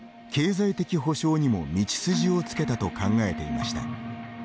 経済的補償にも道筋をつけたと考えていました。